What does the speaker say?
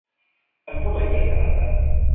มันพูดละเอียดขนาดนั้น